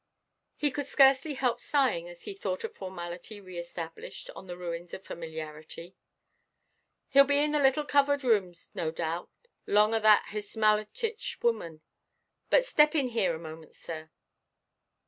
He could scarcely help sighing as he thought of formality re–established on the ruins of familiarity. "Heʼll be in the little coved room, no doubt, long o' that Hismallitish woman. But step in here a moment, sir."